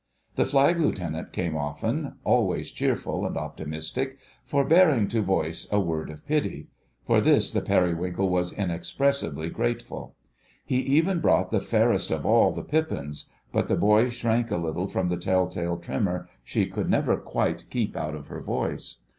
The Flag Lieutenant came often, always cheerful and optimistic, forbearing to voice a word of pity: for this the Periwinkle was inexpressibly grateful. He even brought the Fairest of All the Pippins, but the boy shrank a little from the tell tale tremor she could never quite keep out of her voice.